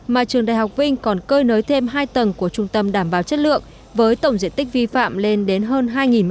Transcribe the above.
mà trường đại học vinh còn cơi nới thêm hai tầng của trung tâm đảm bảo chất lượng với tổng diện tích vi phạm lên đến hơn hai m hai